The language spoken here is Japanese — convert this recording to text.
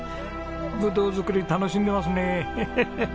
ぶどう作り楽しんでますね。